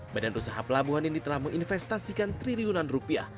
badan usaha pelabuhan ini telah menginvestasikan triliunan rupiah